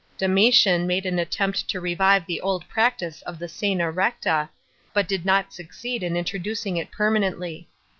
Domitiau made an attempt to revive the old practice of the etna recta l>ut d.d not succeed in introducing it permanently.